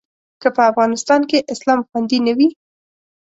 که په افغانستان کې اسلام خوندي نه وي.